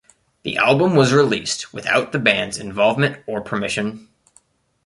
The album was released without the band's involvement or permission.